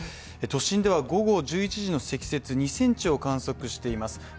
都心では午後１１時の積雪、２ｃｍを観測しています。